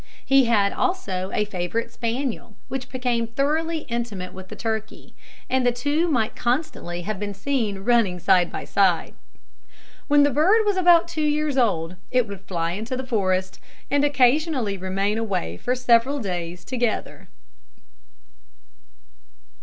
He had also a favourite spaniel, which became thoroughly intimate with the turkey, and the two might constantly have been seen running side by side. When the bird was about two years old, it would fly into the forest, and occasionally remain away for several days together.